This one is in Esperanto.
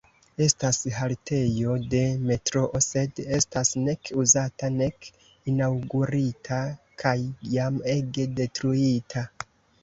Estas haltejo de metroo sed estas nek uzata nek inaŭgurita, kaj jam ege detruita.